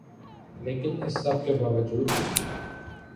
لیکن اس سب کے باوجود